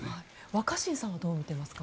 若新さんはどう見ていますか？